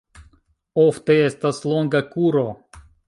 Ofte estas longa kuro.